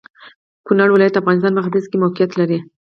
کونړ ولايت د افغانستان په ختيځ کې موقيعت لري.